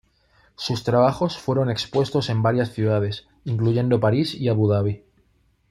Sus trabajos fueron expuestos en varias ciudades, incluyendo Paris y Abu Dabi.